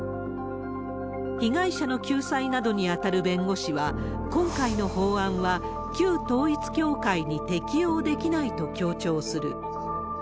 被害者の救済などに当たる弁護士は、今回の法案は旧統一教会に適用できないと強調する。